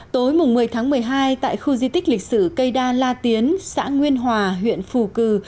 tối một mươi tháng một mươi hai tại khu di tích lịch sử cây đa la tiến xã nguyên hòa huyện phù cử